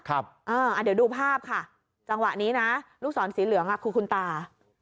เดี๋ยวดูภาพค่ะจังหวะนี้นะลูกศรสีเหลืองคือคุณตา